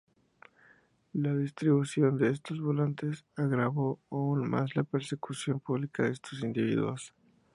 La distribución de estos volantes agravó aún más la persecución pública a estos individuos.